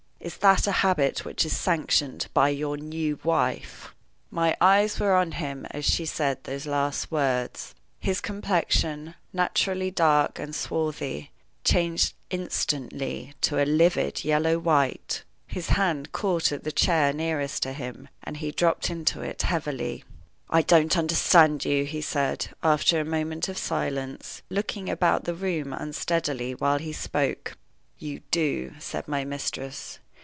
"Is that a habit which is sanctioned by your new wife?" My eyes were on him as she said those last words. His complexion, naturally dark and swarthy, changed instantly to a livid yellow white; his hand caught at the chair nearest to him, and he dropped into it heavily. "I don't understand you," he said, after a moment of silence, looking about the room unsteadily while he spoke. "You do," said my mistress.